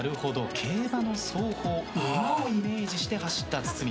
競馬の走法馬をイメージして走った堤。